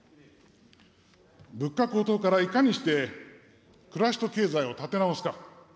物価高騰からいかにして暮らしと経済を立て直すか。